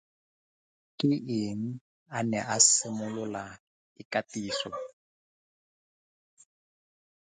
Ke eng a ne a simolola ikatiso?